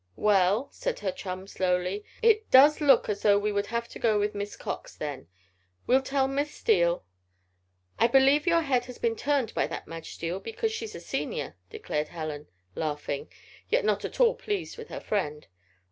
"Well," said her chum, slowly. "It does look as though we would have to go with Miss Cox, then. We'll tell Miss Steele " "I believe your head has been turned by that Madge Steele because she's a Senior," declared Helen, laughing, yet not at all pleased with her friend.